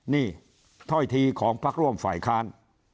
นี่ถ้อยทีของพักร่วมฝ่ายค้าน